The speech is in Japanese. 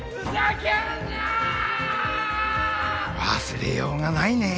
忘れようがないね。